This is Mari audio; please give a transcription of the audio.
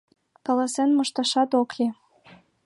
Каласен мошташат ок лий.